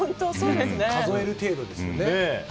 数える程度ですね。